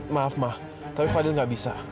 maaf ma tapi fadil gak bisa